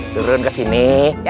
turun ke sini